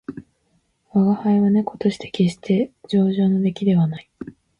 吾輩は猫として決して上乗の出来ではない